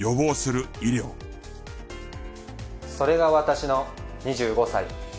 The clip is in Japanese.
それが私の２５歳。